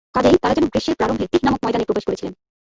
কাজেই তারা যেন গ্রীষ্মের প্রারম্ভে তীহ নামক ময়দানে প্রবেশ করেছিলেন।